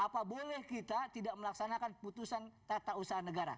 apa boleh kita tidak melaksanakan putusan tata usaha negara